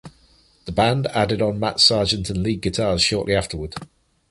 The band added on Matt Sargent on Lead Guitars shortly afterward.